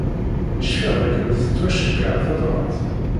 Cfiɣ dakken tettwaceyyeɛ tebrat.